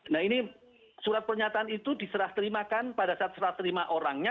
nah ini surat pernyataan itu diserah terimakan pada saat serah terima orangnya